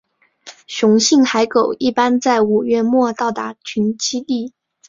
雄性海狗一般在五月末到达群栖地。